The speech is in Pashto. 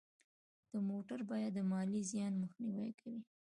د موټر بیمه د مالي زیان مخنیوی کوي.